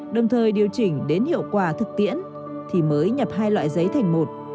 đồng thời điều chỉnh đến hiệu quả thực tiễn thì mới nhập hai loại giấy thành một